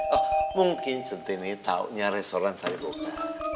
oh mungkin centini taunya restoran sariboka